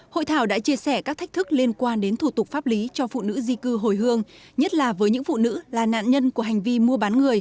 hội thảo đã chia sẻ các thách thức liên quan đến thủ tục pháp lý cho phụ nữ di cư hồi hương